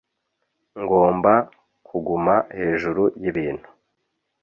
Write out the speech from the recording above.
ngomba kuguma hejuru yibintu